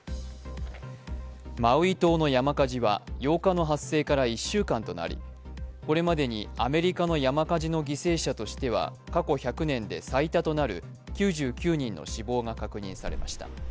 マウイ島の山火事は８日の発生から１週間となりこれまでにアメリカの山火事の犠牲者としては過去１００年で最多となる９９人の死亡が確認されました。